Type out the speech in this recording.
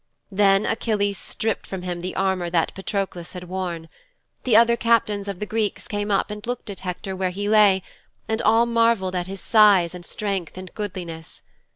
'Then Achilles stripped from him the armour that Patroklos had worn. The other captains of the Greeks came up and looked at Hector where he lay and all marvelled at his size and strength and goodliness.